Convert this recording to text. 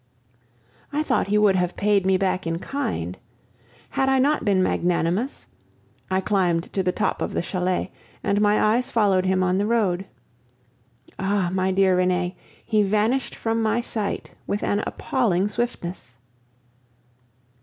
I thought he would have paid me back in kind; had I not been magnanimous? I climbed to the top of the chalet, and my eyes followed him on the road. Ah! my dear Renee, he vanished from my sight with an appalling swiftness.